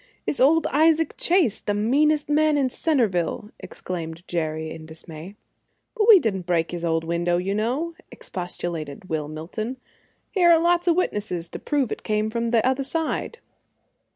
"It's old Isaac Chase, the meanest man in Centerville!" exclaimed Jerry, in dismay. "But we didn't break his old window, you know," expostulated Will Milton. "Here are lots of witnesses to prove it came from the other side."